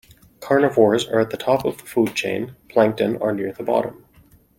Carnivores are at the top of the food chain; plankton are near the bottom